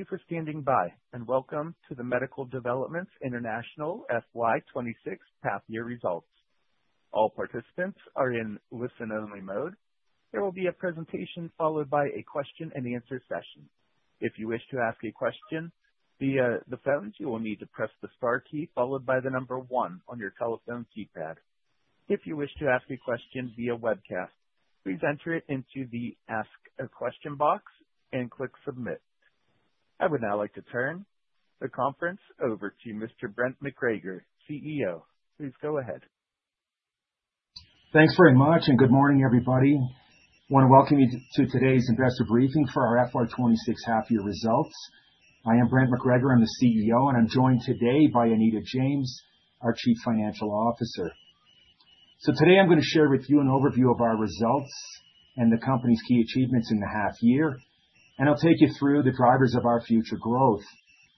Thank you for standing by, and welcome to the Medical Developments International FY 2026 Half-year Results. All participants are in listen-only mode. There will be a presentation followed by a Q&A session. If you wish to ask a question via the phone, you will need to press the star key followed by the number one on your telephone keypad. If you wish to ask a question via webcast, please enter it into the Ask a Question box and click Submit. I would now like to turn the conference over to Mr. Brent MacGregor, CEO. Please go ahead. Thanks very much, good morning, everybody. I want to welcome you to today's investor briefing for our FY 2026 half-year results. I am Brent MacGregor, I'm the CEO, and I'm joined today by Anita James, our Chief Financial Officer. Today I'm going to share with you an overview of our results and the company's key achievements in the half year, and I'll take you through the drivers of our future growth.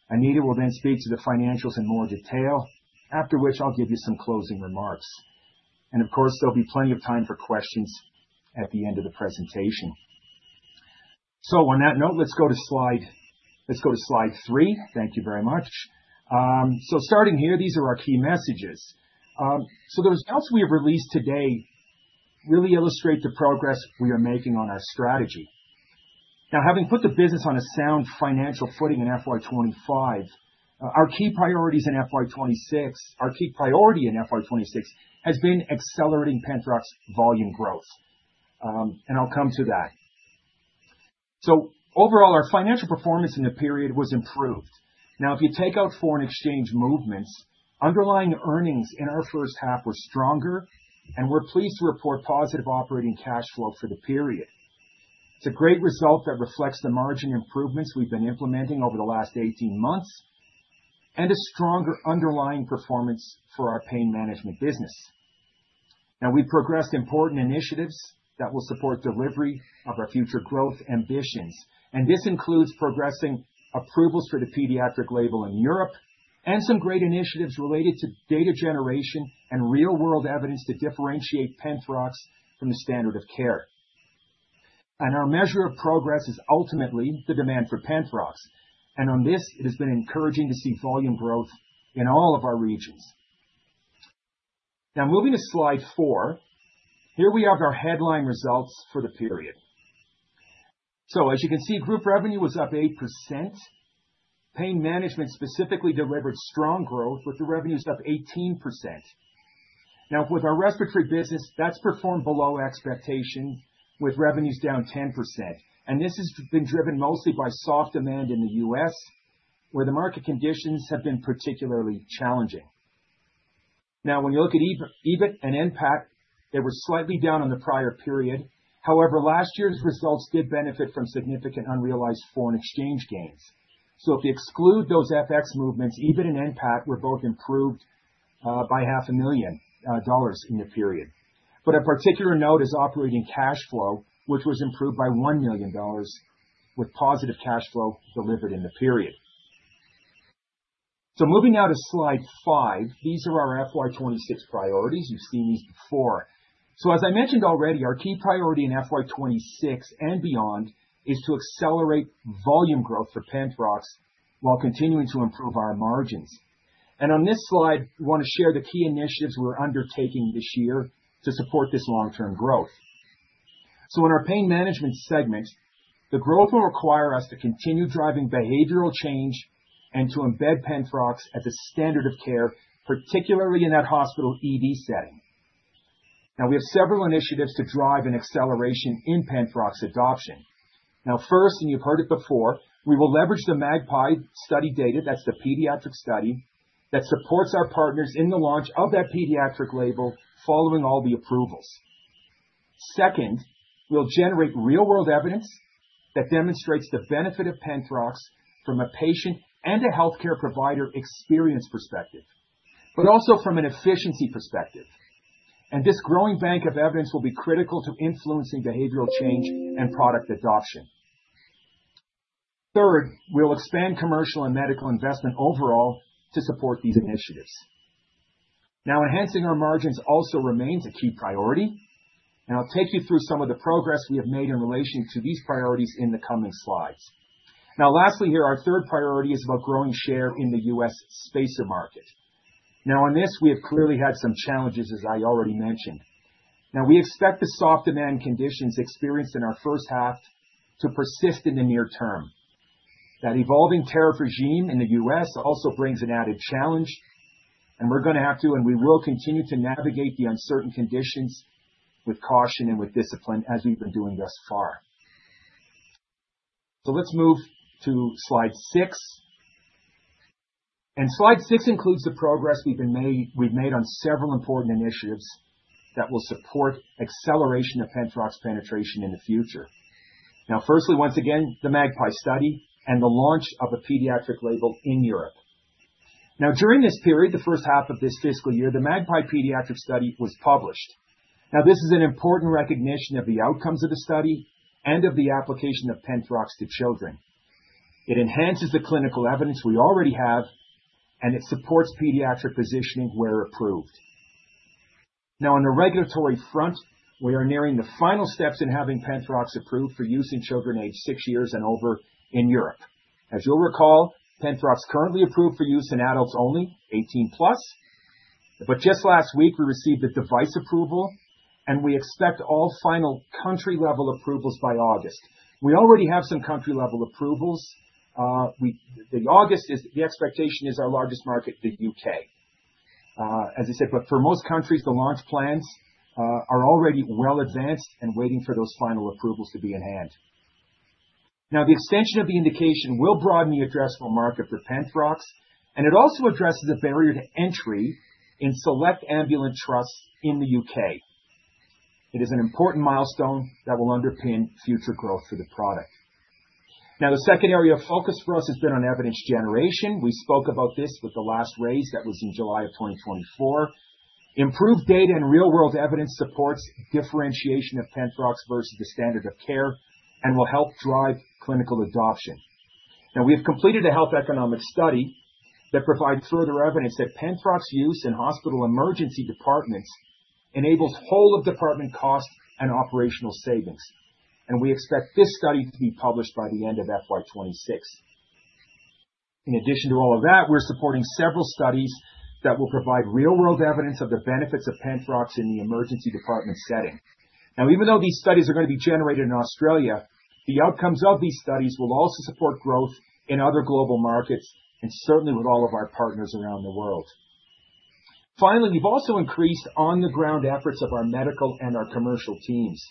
Anita will speak to the financials in more detail, after which I'll give you some closing remarks. Of course, there'll be plenty of time for questions at the end of the presentation. On that note, let's go to slide three. Thank you very much. Starting here, these are our key messages. The results we have released today really illustrate the progress we are making on our strategy. Having put the business on a sound financial footing in FY 2025, our key priorities in FY 2026, our key priority in FY 2026 has been accelerating Penthrox's volume growth. I'll come to that. Overall, our financial performance in the period was improved. If you take out foreign exchange movements, underlying earnings in our first half were stronger, and we're pleased to report positive operating cash flow for the period. It's a great result that reflects the margin improvements we've been implementing over the last 18 months, and a stronger underlying performance for our pain management business. We've progressed important initiatives that will support delivery of our future growth ambitions, and this includes progressing approvals for the pediatric label in Europe, and some great initiatives related to data generation and real-world evidence to differentiate Penthrox from the standard of care. Our measure of progress is ultimately the demand for Penthrox, and on this, it has been encouraging to see volume growth in all of our regions. Moving to slide four. Here we have our headline results for the period. As you can see, group revenue was up 8%. Pain management specifically delivered strong growth, with the revenues up 18%. With our respiratory business, that's performed below expectation, with revenues down 10%, and this has been driven mostly by soft demand in the U.S., where the market conditions have been particularly challenging. When you look at EBIT and NPAT, they were slightly down on the prior period. Last year's results did benefit from significant unrealized foreign exchange gains. If you exclude those FX movements, EBIT and NPAT were both improved by 500,000 dollars in the period. A particular note is operating cash flow, which was improved by 1 million dollars, with positive cash flow delivered in the period. Moving now to slide five, these are our FY 2026 priorities. You've seen these before. As I mentioned already, our key priority in FY 2026 and beyond is to accelerate volume growth for Penthrox while continuing to improve our margins. On this slide, we want to share the key initiatives we're undertaking this year to support this long-term growth. In our pain management segment, the growth will require us to continue driving behavioral change and to embed Penthrox as a standard of care, particularly in that hospital ED setting. We have several initiatives to drive an acceleration in Penthrox adoption. First, and you've heard it before, we will leverage the MAGPIE study data, that's the pediatric study, that supports our partners in the launch of that pediatric label following all the approvals. Second, we'll generate real-world evidence that demonstrates the benefit of Penthrox from a patient and a healthcare provider experience perspective, but also from an efficiency perspective. This growing bank of evidence will be critical to influencing behavioral change and product adoption. Third, we'll expand commercial and medical investment overall to support these initiatives. Enhancing our margins also remains a key priority, and I'll take you through some of the progress we have made in relation to these priorities in the coming slides. Lastly, here, our third priority is about growing share in the U.S. spacer market. On this, we have clearly had some challenges, as I already mentioned. We expect the soft demand conditions experienced in our first half to persist in the near term. That evolving tariff regime in the U.S. also brings an added challenge, and we will continue to navigate the uncertain conditions with caution and with discipline, as we've been doing thus far. Let's move to slide six. Slide six includes the progress we've made on several important initiatives that will support acceleration of Penthrox penetration in the future. Firstly, once again, the MAGPIE study and the launch of a pediatric label in Europe. During this period, the first half of this fiscal year, the MAGPIE pediatric study was published. This is an important recognition of the outcomes of the study and of the application of Penthrox to children. It enhances the clinical evidence we already have, and it supports pediatric positioning where approved. On the regulatory front, we are nearing the final steps in having Penthrox approved for use in children aged six years and over in Europe. As you'll recall, Penthrox is currently approved for use in adults only, 18 plus. Just last week we received a device approval, and we expect all final country-level approvals by August. We already have some country-level approvals. In August is the expectation is our largest market, the U.K.. As I said, for most countries, the launch plans are already well advanced and waiting for those final approvals to be in hand. Now, the extension of the indication will broaden the addressable market for Penthrox, and it also addresses a barrier to entry in select ambulance trusts in the U.K.. It is an important milestone that will underpin future growth for the product. Now, the second area of focus for us has been on evidence generation. We spoke about this with the last raise. That was in July of 2024. Improved data and real-world evidence supports differentiation of Penthrox versus the standard of care and will help drive clinical adoption. Now, we have completed a health economic study that provides further evidence that Penthrox use in hospital emergency departments enables whole-of-department cost and operational savings, and we expect this study to be published by the end of FY 2026. In addition to all of that, we're supporting several studies that will provide real-world evidence of the benefits of Penthrox in the emergency department setting. Now, even though these studies are going to be generated in Australia, the outcomes of these studies will also support growth in other global markets and certainly with all of our partners around the world. Finally, we've also increased on-the-ground efforts of our medical and our commercial teams.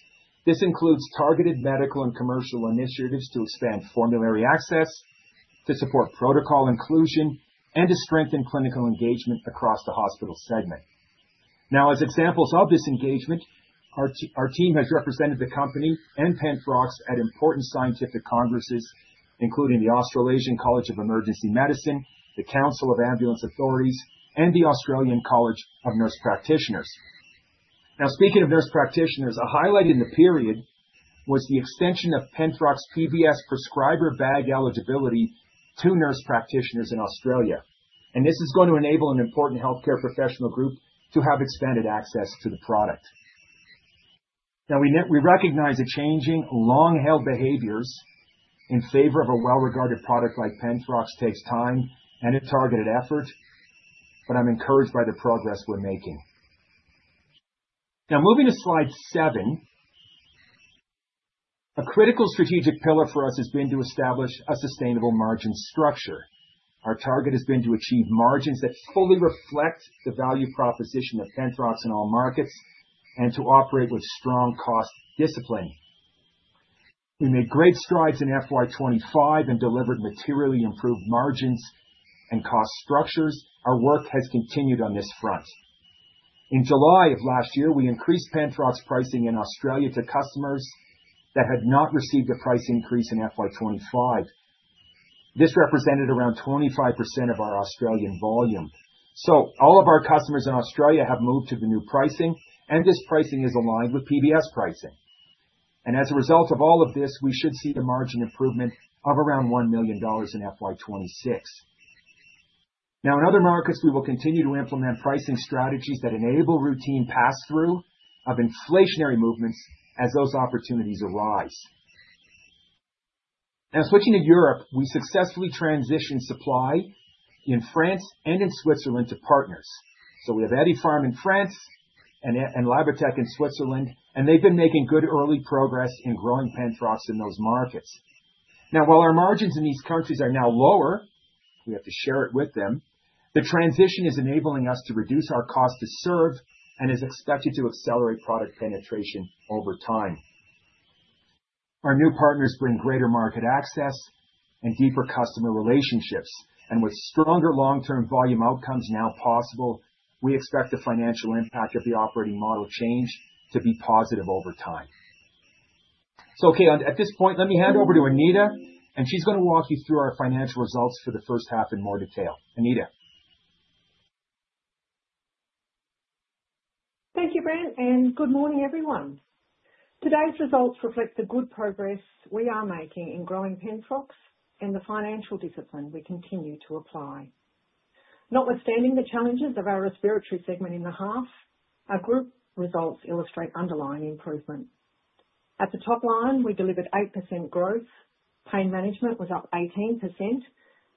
This includes targeted medical and commercial initiatives to expand formulary access, to support protocol inclusion, and to strengthen clinical engagement across the hospital segment. As examples of this engagement, our team has represented the company and Penthrox at important scientific congresses, including the Australasian College for Emergency Medicine, The Council of Ambulance Authorities, and the Australian College of Nurse Practitioners. Speaking of nurse practitioners, a highlight in the period was the extension of Penthrox PBS prescriber bag eligibility to nurse practitioners in Australia, and this is going to enable an important healthcare professional group to have expanded access to the product. We recognize that changing long-held behaviors in favor of a well-regarded product like Penthrox takes time and a targeted effort, but I'm encouraged by the progress we're making. Moving to slide seven. A critical strategic pillar for us has been to establish a sustainable margin structure. Our target has been to achieve margins that fully reflect the value proposition of Penthrox in all markets and to operate with strong cost discipline. We made great strides in FY 2025 and delivered materially improved margins and cost structures. Our work has continued on this front. In July of last year, we increased Penthrox pricing in Australia to customers that had not received a price increase in FY 2025. This represented around 25% of our Australian volume. All of our customers in Australia have moved to the new pricing, and this pricing is aligned with PBS pricing. As a result of all of this, we should see the margin improvement of around 1 million dollars in FY 2026. In other markets, we will continue to implement pricing strategies that enable routine pass-through of inflationary movements as those opportunities arise. Switching to Europe, we successfully transitioned supply in France and in Switzerland to partners. We have Ethypharm in France and Labatec in Switzerland, and they've been making good early progress in growing Penthrox in those markets. While our margins in these countries are now lower, we have to share it with them, the transition is enabling us to reduce our cost to serve and is expected to accelerate product penetration over time. Our new partners bring greater market access and deeper customer relationships, and with stronger long-term volume outcomes now possible, we expect the financial impact of the operating model change to be positive over time. Okay, at this point, let me hand over to Anita, and she's going to walk you through our financial results for the first half in more detail. Anita? Thank you, Brent. Good morning, everyone. Today's results reflect the good progress we are making in growing Penthrox and the financial discipline we continue to apply. Notwithstanding the challenges of our respiratory segment in the half, our group results illustrate underlying improvement. At the top line, we delivered 8% growth. Pain management was up 18%,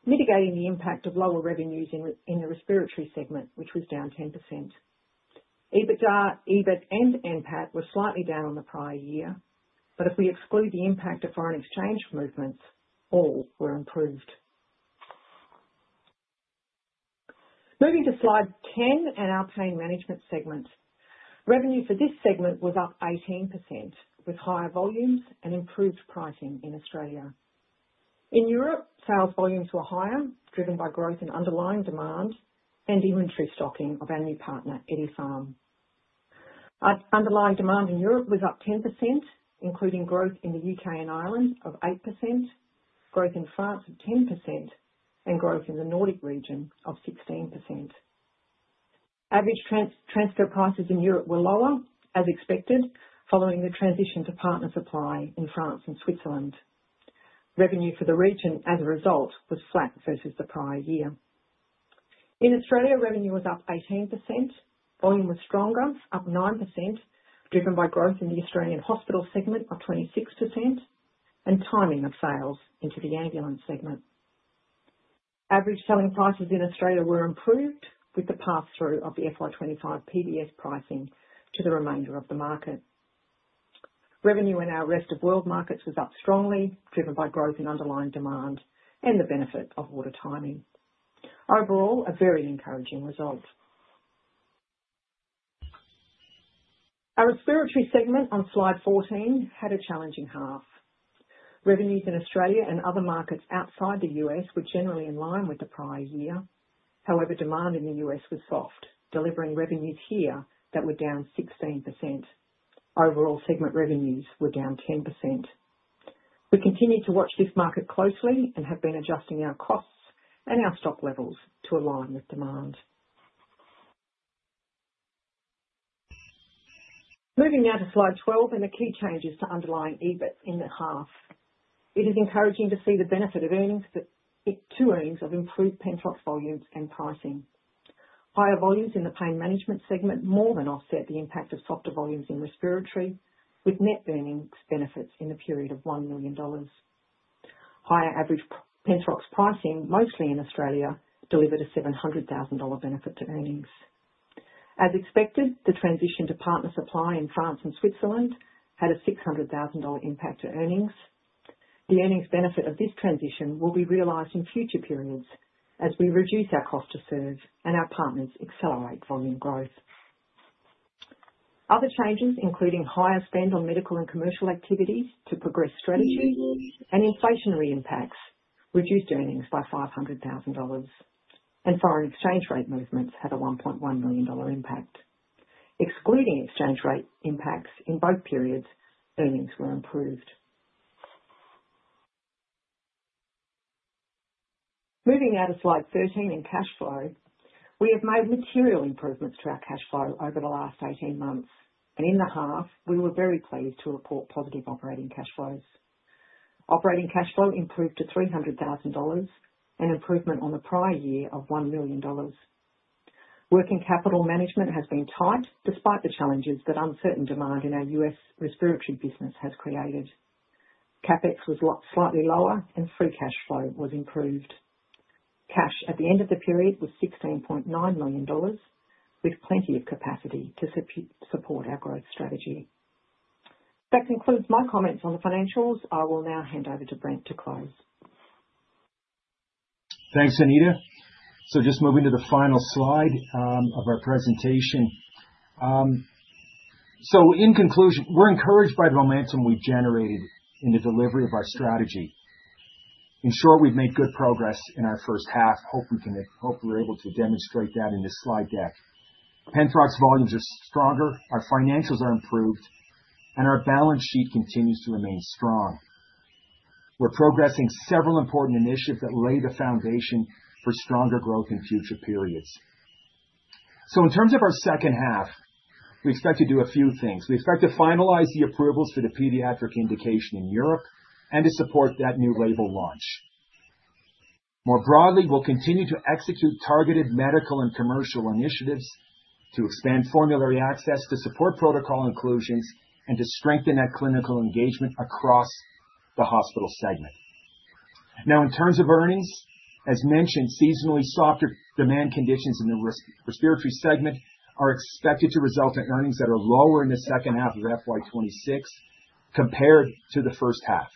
mitigating the impact of lower revenues in the respiratory segment, which was down 10%. EBITDA, EBIT and NPAT were slightly down on the prior year. If we exclude the impact of foreign exchange movements, all were improved. Moving to slide 10, our Pain Management segment. Revenue for this segment was up 18%, with higher volumes and improved pricing in Australia. In Europe, sales volumes were higher, driven by growth in underlying demand and inventory stocking of our new partner, Ethypharm. Our underlying demand in Europe was up 10%, including growth in the U.K. and Ireland of 8%, growth in France of 10%, and growth in the Nordic region of 16%. Average transfer prices in Europe were lower, as expected, following the transition to partner supply in France and Switzerland. Revenue for the region as a result, was flat versus the prior year. In Australia, revenue was up 18%. Volume was stronger, up 9%, driven by growth in the Australian Hospital segment by 26% and timing of sales into the Ambulance segment. Average selling prices in Australia were improved, with the passthrough of the FY 2025 PBS pricing to the remainder of the market. Revenue in our Rest of World markets was up strongly, driven by growth in underlying demand and the benefit of order timing. Overall, a very encouraging result. Our Respiratory segment on slide 14 had a challenging half. Revenues in Australia and other markets outside the U.S. were generally in line with the prior year. Demand in the U.S. was soft, delivering revenues here that were down 16%. Overall segment revenues were down 10%. We continue to watch this market closely and have been adjusting our costs and our stock levels to align with demand. Moving now to slide 12 and the key changes to underlying EBIT in the half. It is encouraging to see the benefit of earnings, two earnings of improved Penthrox volumes and pricing. Higher volumes in the Pain Management segment more than offset the impact of softer volumes in Respiratory, with net earnings benefits in the period of 1 million dollars. Higher average Penthrox pricing, mostly in Australia, delivered an 700,000 dollar benefit to earnings. As expected, the transition to partner supply in France and Switzerland had a $600,000 impact to earnings. The earnings benefit of this transition will be realized in future periods as we reduce our cost to serve and our partners accelerate volume growth. Other changes, including higher spend on medical and commercial activities to progress strategies and inflationary impacts, reduced earnings by $500,000, and foreign exchange rate movements had a $1.1 million impact. Excluding exchange rate impacts in both periods, earnings were improved. Moving now to slide 13 in cash flow. We have made material improvements to our cash flow over the last 18 months, and in the half, we were very pleased to report positive operating cash flows. Operating cash flow improved to $300,000, an improvement on the prior year of $1 million. Working capital management has been tight despite the challenges that uncertain demand in our U.S. Respiratory business has created. CapEx was slightly lower and free cash flow was improved. Cash at the end of the period was 16.9 million dollars, with plenty of capacity to support our growth strategy. That concludes my comments on the financials. I will now hand over to Brent to close. Thanks, Anita. Just moving to the final slide of our presentation. In conclusion, we're encouraged by the momentum we've generated in the delivery of our strategy. In short, we've made good progress in our first half. Hope we can, hope we're able to demonstrate that in this slide deck. Penthrox volumes are stronger, our financials are improved, and our balance sheet continues to remain strong. We're progressing several important initiatives that lay the foundation for stronger growth in future periods. In terms of our second half, we expect to do a few things. We expect to finalize the approvals for the pediatric indication in Europe and to support that new label launch. More broadly, we'll continue to execute targeted medical and commercial initiatives to expand formulary access, to support protocol inclusions, and to strengthen that clinical engagement across the hospital segment. In terms of earnings, as mentioned, seasonally softer demand conditions in the Respiratory segment are expected to result in earnings that are lower in the second half of FY 2026 compared to the first half.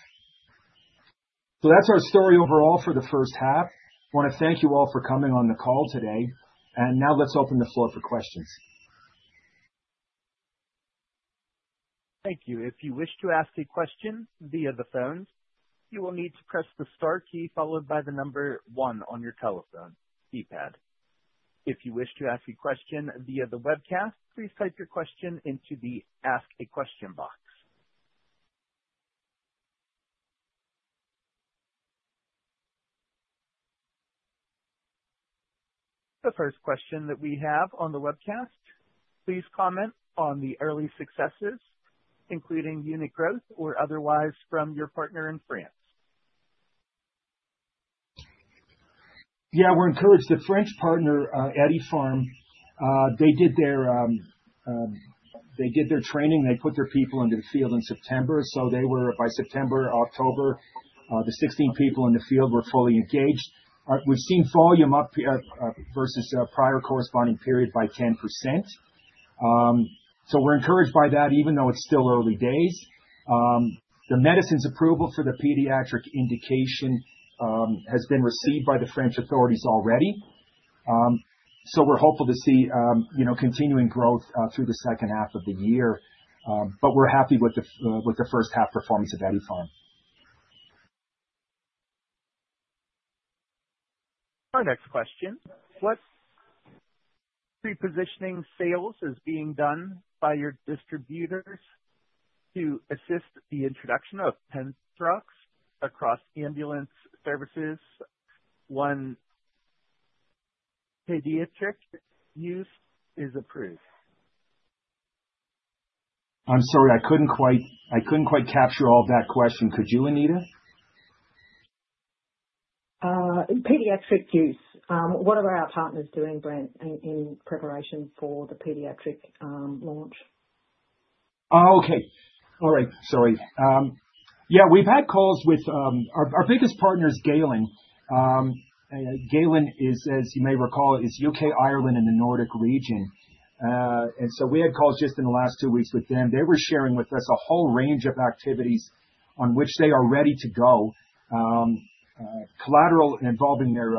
That's our story overall for the first half. I want to thank you all for coming on the call today, and now let's open the floor for questions. Thank you. If you wish to ask a question via the phone, you will need to press the star key followed by the number one on your telephone keypad. If you wish to ask a question via the webcast, please type your question into the Ask a Question box. The first question that we have on the webcast: Please comment on the early successes, including unit growth or otherwise, from your partner in France. Yeah, we're encouraged. The French partner, Ethypharm, they did their, they did their training. They put their people into the field in September, so they were by September, October, the 16 people in the field were fully engaged. We've seen volume up versus the prior corresponding period by 10%. We're encouraged by that, even though it's still early days. The medicine's approval for the pediatric indication has been received by the French authorities already. We're hopeful to see, you know, continuing growth through the second half of the year. We're happy with the with the first half performance of Ethypharm. Our next question: What repositioning sales is being done by your distributors to assist the introduction of Penthrox across ambulance services once pediatric use is approved? I'm sorry, I couldn't quite, I couldn't quite capture all of that question. Could you, Anita? Pediatric use. What are our partners doing, Brent, in preparation for the pediatric launch? Oh, okay. All right. Sorry. Yeah, we've had calls with our biggest partner is Galen. And Galen is, as you may recall, is U.K., Ireland, and the Nordic region. We had calls just in the last two weeks with them. They were sharing with us a whole range of activities on which they are ready to go. Collateral involving their,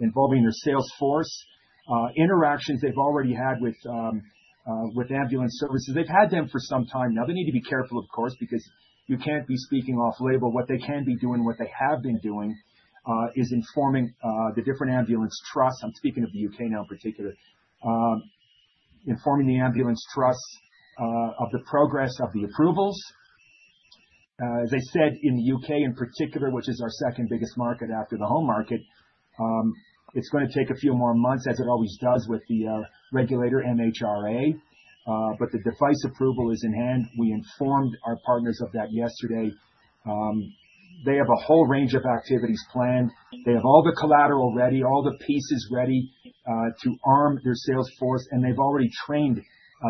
involving their sales force. Interactions they've already had with with ambulance services. They've had them for some time now. They need to be careful, of course, because you can't be speaking off label. What they can be doing, what they have been doing, is informing the different ambulance trusts. I'm speaking of the U.K. now in particular. Informing the ambulance trusts of the progress of the approvals. As I said, in the U.K. in particular, which is our second biggest market after the home market, it's going to take a few more months, as it always does with the regulator, MHRA. The device approval is in hand. We informed our partners of that yesterday. They have a whole range of activities planned. They have all the collateral ready, all the pieces ready, to arm their sales force, and they've already trained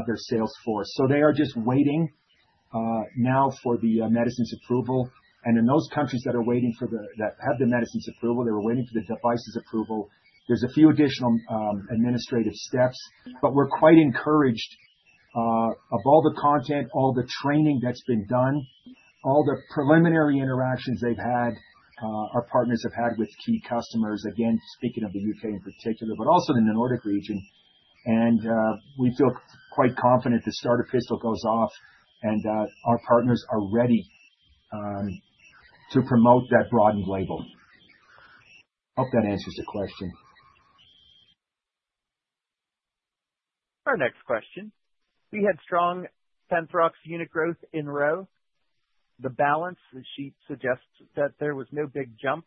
their sales force. They are just waiting now for the medicines approval. In those countries that have the medicines approval, they were waiting for the devices approval. There's a few additional administrative steps, but we're quite encouraged of all the content, all the training that's been done, all the preliminary interactions they've had, our partners have had with key customers, again, speaking of the U.K. in particular, but also in the Nordic region. We feel quite confident the start of fiscal goes off and our partners are ready to promote that broadened label. Hope that answers the question. Our next question: We had strong Penthrox unit growth in ROW. The balance, the sheet suggests that there was no big jump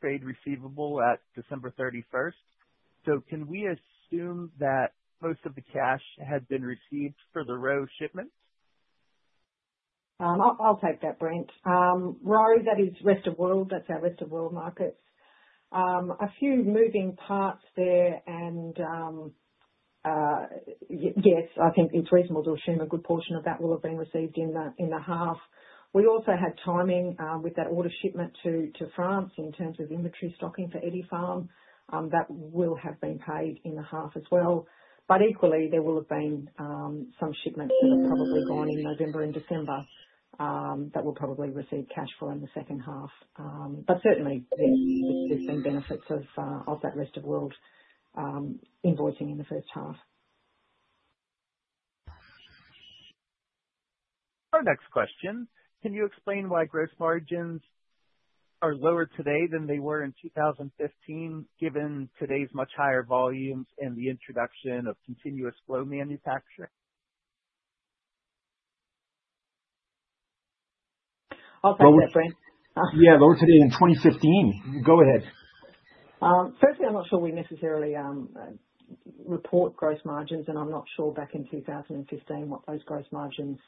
trade receivable at December 31st. Can we assume that most of the cash had been received for the ROW shipments? I'll, I'll take that, Brent. Rory, that is Rest of World. That's our Rest of World markets. A few moving parts there and, yes, I think it's reasonable to assume a good portion of that will have been received in the, in the half. We also had timing with that order shipment to France in terms of inventory stocking for Ethypharm. That will have been paid in the half as well, but equally, there will have been some shipments that have probably gone in November and December that will probably receive cash flow in the second half. But certainly, there, there's been benefits of that Rest of World invoicing in the first half. Our next question: Can you explain why gross margins are lower today than they were in 2015, given today's much higher volumes and the introduction of continuous flow manufacturing? I'll take that, Brent. Yeah, lower today in 2015. Go ahead. Firstly, I'm not sure we necessarily report gross margins, and I'm not sure back in 2015 what those gross margins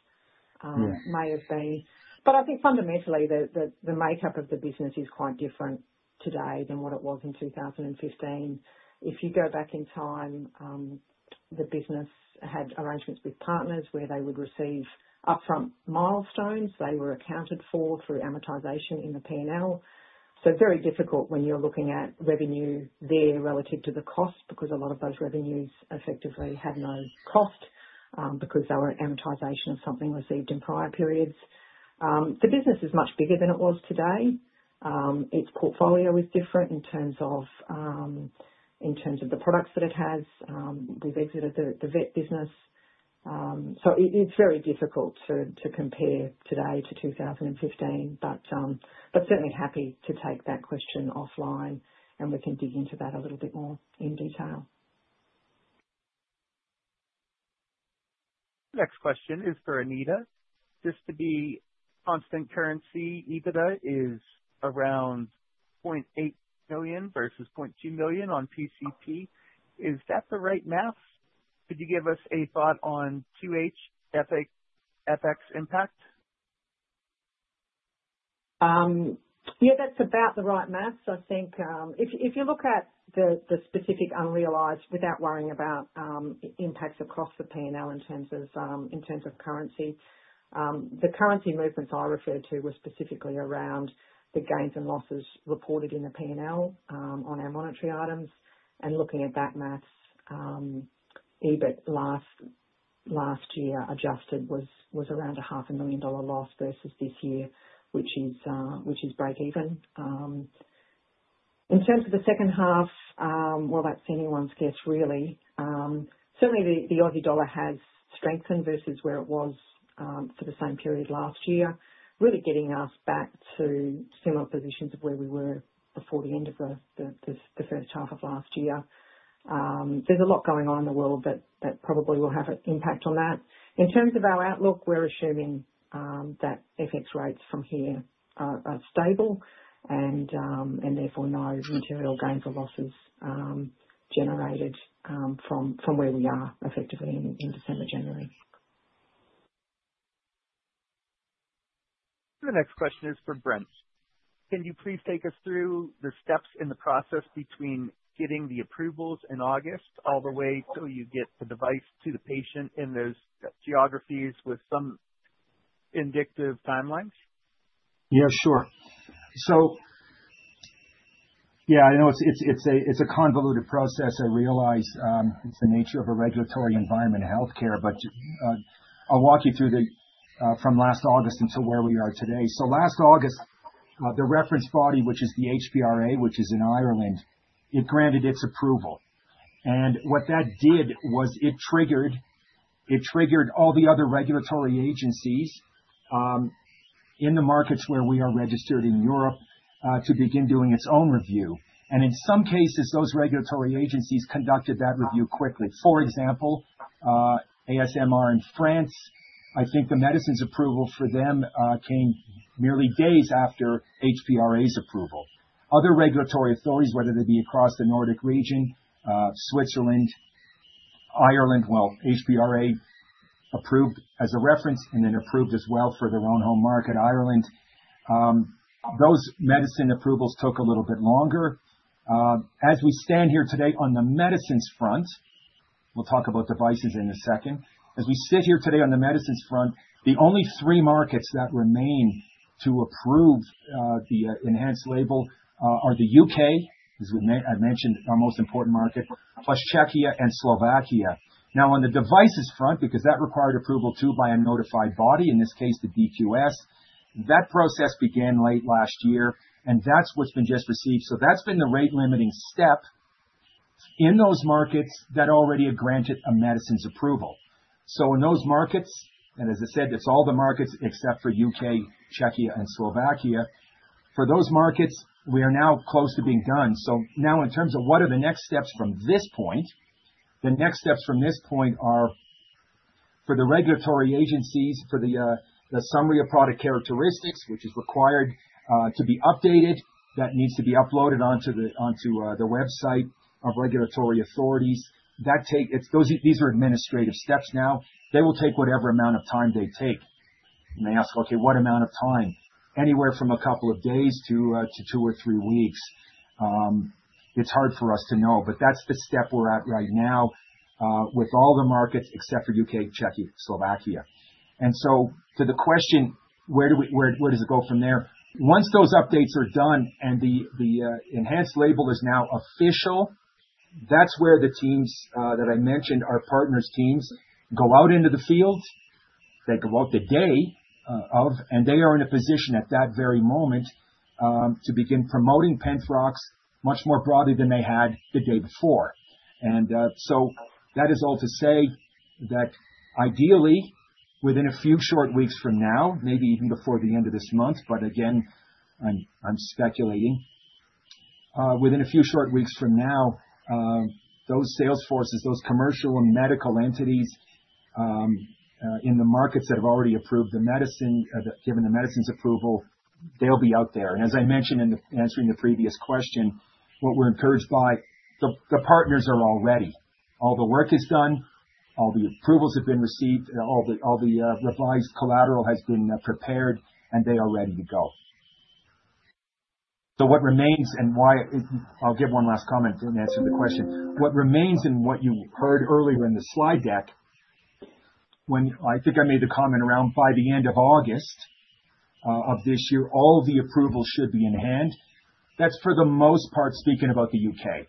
may have been. I think fundamentally, the makeup of the business is quite different today than what it was in 2015. If you go back in time, the business had arrangements with partners where they would receive upfront milestones. They were accounted for through amortization in the P&L. Very difficult when you're looking at revenue there relative to the cost, because a lot of those revenues effectively had no cost, because they were amortization of something received in prior periods. The business is much bigger than it was today. Its portfolio is different in terms of the products that it has. We've exited the vet business. It, it's very difficult to, to compare today to 2015, but certainly happy to take that question offline and we can dig into that a little bit more in detail. Next question is for Anita. Just to be constant currency, EBITDA is around 0.8 million versus 0.2 million on PCP. Is that the right math? Could you give us a thought on 2H, FA, FX impact? Yeah, that's about the right math. I think, if, if you look at the, the specific unrealized without worrying about impacts across the P&L in terms of in terms of currency, the currency movements I referred to were specifically around the gains and losses reported in the P&L on our monetary items. Looking at back math, EBIT last, last year, adjusted, was, was around an 500,000 dollar loss versus this year, which is which is breakeven. In terms of the second half, well, that's anyone's guess, really. Certainly the, the Aussie dollar has strengthened versus where it was for the same period last year, really getting us back to similar positions of where we were before the end of the, the, the first half of last year. There's a lot going on in the world that, that probably will have an impact on that. In terms of our outlook, we're assuming that FX rates from here are stable and therefore no material gains or losses generated from where we are effectively in December, January. The next question is for Brent. Can you please take us through the steps in the process between getting the approvals in August all the way till you get the device to the patient in those geographies with some indicative timelines? Yeah, sure. Yeah, I know it's, it's, it's a, it's a convoluted process. I realize, it's the nature of a regulatory environment in healthcare, but I'll walk you through from last August until where we are today. Last August, the reference body, which is the HPRA, which is in Ireland, it granted its approval. What that did was it triggered, it triggered all the other regulatory agencies in the markets where we are registered in Europe to begin doing its own review. In some cases, those regulatory agencies conducted that review quickly. For example, ASMR in France, I think the medicine's approval for them came merely days after HPRA's approval. Other regulatory authorities, whether they be across the Nordic region, Switzerland, Ireland, well, HPRA approved as a reference and then approved as well for their own home market, Ireland, those medicine approvals took a little bit longer. As we stand here today on the medicines front, we'll talk about devices in a second. As we sit here today on the medicines front, the only three markets that remain to approve the enhanced label are the U.K., as I mentioned, our most important market, plus Czechia and Slovakia. On the devices front, because that required approval, too, by a notified body, in this case, the DQS, that process began late last year, and that's what's been just received. That's been the rate-limiting step in those markets that already have granted a medicines approval. In those markets, and as I said, it's all the markets except for U.K., Czechia, and Slovakia. For those markets, we are now close to being done. In terms of what are the next steps from this point, the next steps from this point are for the regulatory agencies, for the, the Summary of Product Characteristics, which is required to be updated. That needs to be uploaded onto the, onto the website of regulatory authorities. These are administrative steps now. They will take whatever amount of time they take. You may ask, "Okay, what amount of time?" Anywhere from a couple of days to two or three weeks. It's hard for us to know, but that's the step we're at right now, with all the markets except for U.K., Czechia, Slovakia. To the question, where, where does it go from there? Once those updates are done and the, the enhanced label is now official, that's where the teams that I mentioned, our partners' teams, go out into the field. They go out the day of, and they are in a position at that very moment to begin promoting Penthrox much more broadly than they had the day before. That is all to say that ideally, within a few short weeks from now, maybe even before the end of this month, but again, I'm, I'm speculating. Within a few short weeks from now, those sales forces, those commercial and medical entities in the markets that have already approved the medicine, given the medicine's approval, they'll be out there. As I mentioned in the answering the previous question, what we're encouraged by, the, the partners are all ready. All the work is done, all the approvals have been received, all the, all the revised collateral has been prepared, and they are ready to go. What remains and why. I'll give one last comment in answering the question. What remains, and what you heard earlier in the slide deck, when I think I made the comment around by the end of August of this year, all the approvals should be in hand. That's for the most part speaking about the U.K.,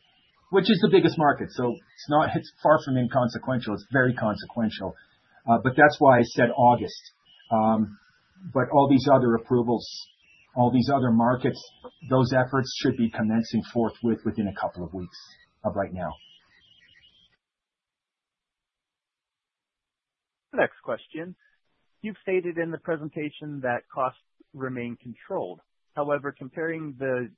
which is the biggest market. It's far from inconsequential. It's very consequential. But that's why I said August. All these other approvals, all these other markets, those efforts should be commencing forthwith, within a couple of weeks of right now. Next question. You've stated in the presentation that costs remain controlled. However, comparing the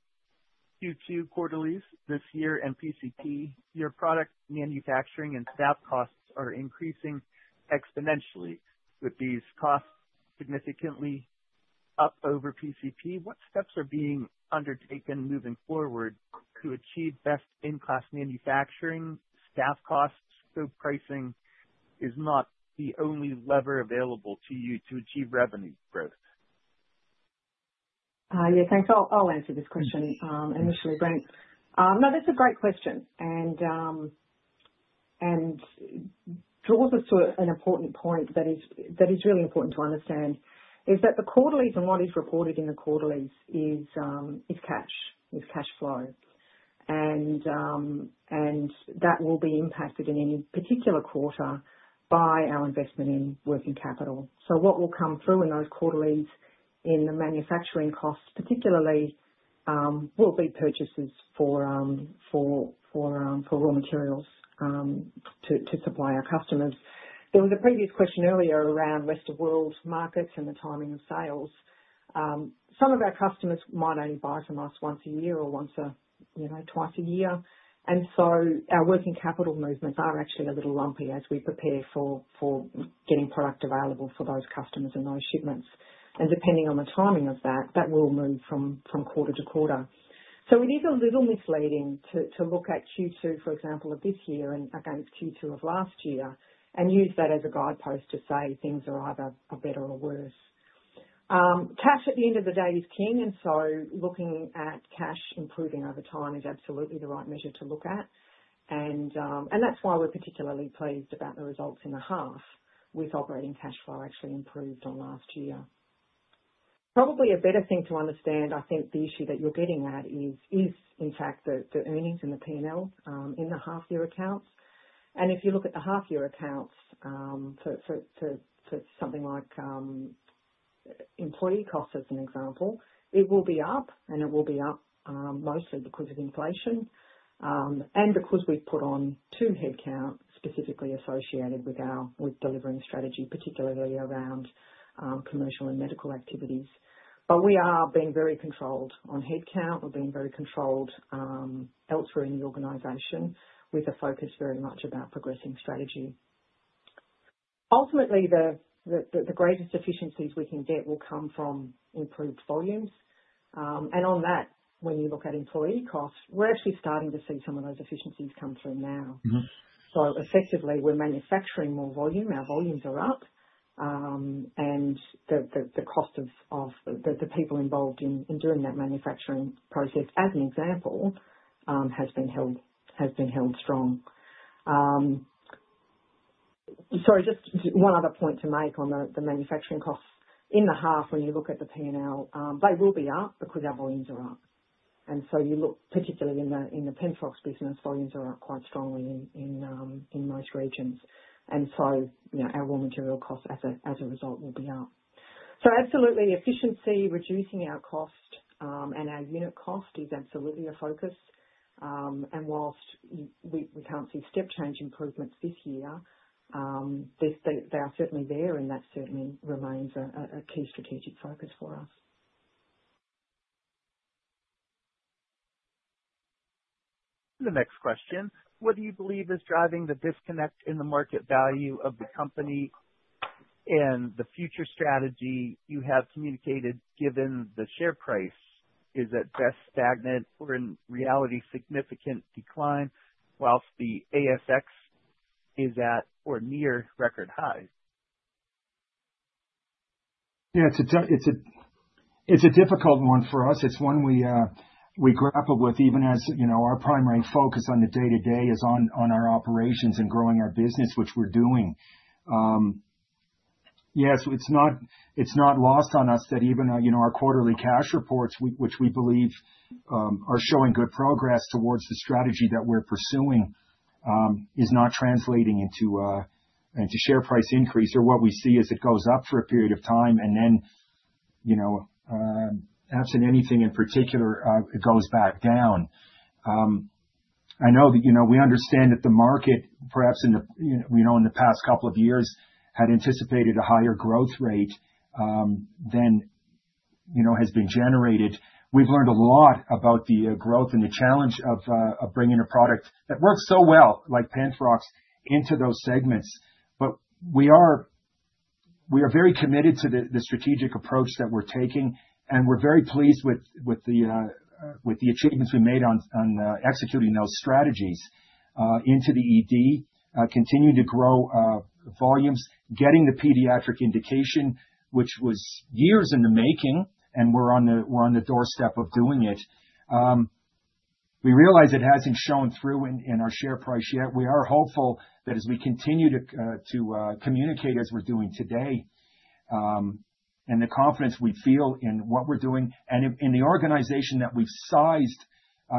Q2 quarterlies this year and PCP, your product manufacturing and staff costs are increasing exponentially. With these costs significantly up over PCP, what steps are being undertaken moving forward to achieve best-in-class manufacturing staff costs, so pricing is not the only lever available to you to achieve revenue growth? Yeah, thanks. I'll, I'll answer this question initially, Brent. No, that's a great question, and draws us to an important point that is, that is really important to understand, is that the quarterlies and what is reported in the quarterlies is cash, is cash flow. That will be impacted in any particular quarter by our investment in working capital. What will come through in those quarterlies, in the manufacturing costs particularly, will be purchases for, for, for raw materials to, to supply our customers. There was a previous question earlier around Rest of World markets and the timing of sales. Some of our customers might only buy from us once a year or once a, you know, twice a year. Our working capital movements are actually a little lumpy as we prepare for, for getting product available for those customers and those shipments. Depending on the timing of that, that will move from, from quarter to quarter. It is a little misleading to, to look at Q2, for example, of this year and against Q2 of last year, and use that as a guidepost to say things are either are better or worse. Cash, at the end of the day, is king, and so looking at cash improving over time is absolutely the right measure to look at. That's why we're particularly pleased about the results in the half, with operating cash flow actually improved on last year. Probably a better thing to understand, I think the issue that you're getting at is, is in fact, the earnings and the P&L, in the half year accounts. If you look at the half year accounts, to something like employee costs, as an example, it will be up, and it will be up mostly because of inflation, and because we've put on two headcount specifically associated with delivering strategy, particularly around commercial and medical activities. We are being very controlled on headcount. We're being very controlled elsewhere in the organization, with a focus very much about progressing strategy. Ultimately, the greatest efficiencies we can get will come from improved volumes. On that, when you look at employee costs, we're actually starting to see some of those efficiencies come through now. Effectively, we're manufacturing more volume. Our volumes are up, and the cost of the people involved in doing that manufacturing process, as an example, has been held strong. Sorry, just one other point to make on the manufacturing costs. In the half, when you look at the P&L, they will be up because our volumes are up. You look particularly in the Penthrox business, volumes are up quite strongly in most regions. You know, our raw material costs as a result, will be up. Absolutely, efficiency, reducing our cost, and our unit cost is absolutely a focus. Whilst we can't see step change improvements this year, they are certainly there, and that certainly remains a key strategic focus for us. The next question: What do you believe is driving the disconnect in the market value of the company and the future strategy you have communicated, given the share price is at best stagnant, or in reality, significant decline, while the ASX is at or near record highs? Yeah, it's a it's a, it's a difficult one for us. It's one we, we grapple with, even as, you know, our primary focus on the day-to-day is on, on our operations and growing our business, which we're doing. Yes, it's not, it's not lost on us that even, you know, our quarterly cash reports, which we believe, are showing good progress towards the strategy that we're pursuing, is not translating into, into share price increase. What we see is it goes up for a period of time and then, you know, absent anything in particular, it goes back down. I know that, you know, we understand that the market, perhaps in the, you know, in the past couple of years, had anticipated a higher growth rate, than, you know, has been generated. We've learned a lot about the growth and the challenge of bringing a product that works so well, like Penthrox, into those segments. We are, we are very committed to the, the strategic approach that we're taking, and we're very pleased with, with the achievements we made on, on executing those strategies into the ED. Continuing to grow volumes, getting the pediatric indication, which was years in the making, and we're on the, we're on the doorstep of doing it. We realize it hasn't shown through in, in our share price yet. We are hopeful that as we continue to, to communicate, as we're doing today, and the confidence we feel in what we're doing and in, in the organization that we've sized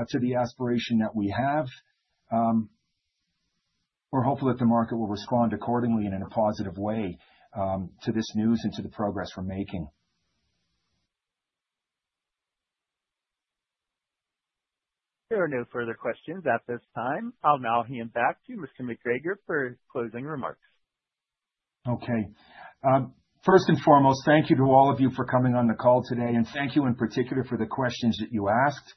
to the aspiration that we have, we're hopeful that the market will respond accordingly and in a positive way to this news and to the progress we're making. There are no further questions at this time. I'll now hand back to Mr. MacGregor for his closing remarks. Okay. First and foremost, thank you to all of you for coming on the call today, and thank you in particular for the questions that you asked.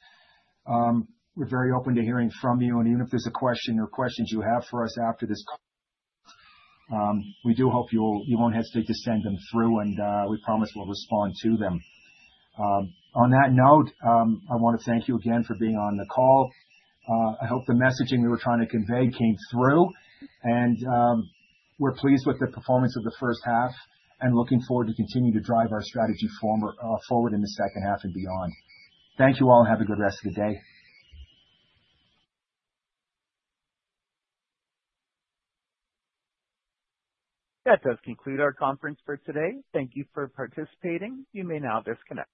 We're very open to hearing from you, and even if there's a question or questions you have for us after this call, we do hope you will, you won't hesitate to send them through, and we promise we'll respond to them. On that note, I want to thank you again for being on the call. I hope the messaging we were trying to convey came through, and we're pleased with the performance of the first half and looking forward to continuing to drive our strategy former, forward in the second half and beyond. Thank you all. Have a good rest of your day. That does conclude our conference for today. Thank you for participating. You may now disconnect.